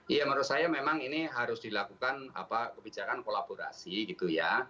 iya menurut saya memang ini harus dilakukan kebijakan kolaborasi gitu ya